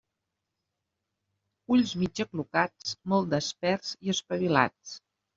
Ulls mig aclucats, molt desperts i espavilats.